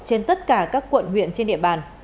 trên tất cả các quận huyện trên địa bàn